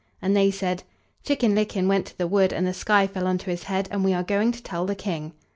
And they said: "Chicken licken went to the wood, and the sky fell on to his head, and we are going to tell the King."